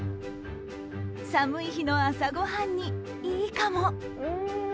寒い日の朝ごはんに、いいかも。